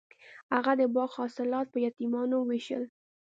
هغه د باغ حاصلات په یتیمانو ویشل.